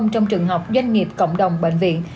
trong trường học doanh nghiệp cộng đồng bệnh viện